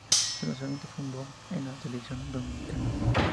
Su lanzamiento fue un "boom" en la televisión dominicana.